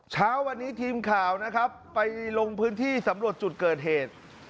เช้าวันนี้ทีมข่าวนะครับไปลงพื้นที่สำรวจจุดเกิดเหตุ